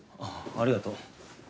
ありがとう。